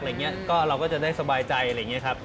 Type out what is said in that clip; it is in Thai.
เราก็จะได้สบายใจอะไรอย่างนี้ครับ